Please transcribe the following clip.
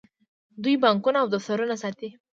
دوی بانکونه او دفترونه ساتي.